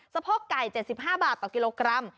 โพกไก่๗๕บาทต่อกิโลกรัม